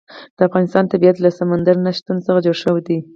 د افغانستان طبیعت له سمندر نه شتون څخه جوړ شوی دی.